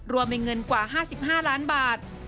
รวมเป็นเงินกว่า๕๕ล้านบาท